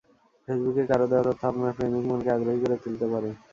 ফেসবুকে কারও দেওয়া তথ্য আপনার প্রেমিক মনকে আগ্রহী করে তুলতে পারে।